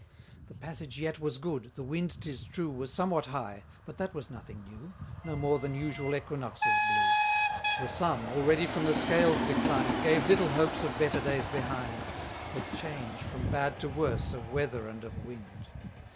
The passage yet was good; the wind, 'tis true, Was somewhat high, but that was nothing new, No more than usual equinoxes blew. The sun, already from the Scales declined, Gave little hopes of better days behind, But change, from bad to worse, of weather and of wind.